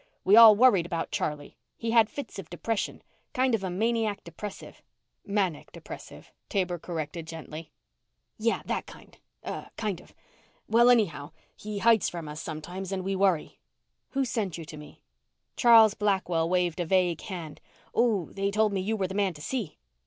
We all worried about Charlie. He had fits of depression. Kind of a maniac depressive." "Manic depressive," Taber corrected gently. "Yeah, that kind, ah kind of. Well anyhow, he hides from us sometimes and we worry." "Who sent you to me?" Charles Blackwell waved a vague hand, "Oh, they told me you were the man to see."